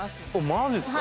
マジですか？